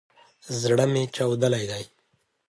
زړه مي چاودلی دی